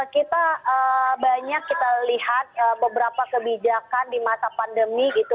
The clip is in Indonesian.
kita banyak kita lihat beberapa kebijakan di masa pandemi gitu